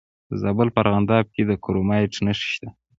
د زابل په ارغنداب کې د کرومایټ نښې شته.